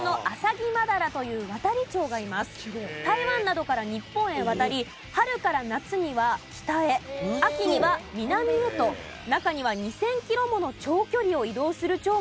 台湾などから日本へ渡り春から夏には北へ秋には南へと中には２０００キロもの長距離を移動する蝶もいるそうです。